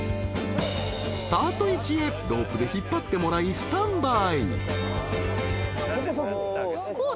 ［スタート位置へロープで引っ張ってもらいスタンバイ］